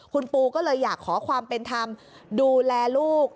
คุณปูก็เลยอยากขอความเป็นธรรมดูแลลูก